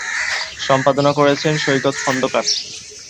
সম্পাদনা করেছেন সৈকত খন্দকার।